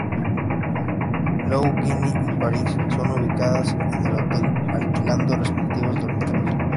Lou, Ginny y Paris son ubicadas en el hotel, alquilando respectivos dormitorios.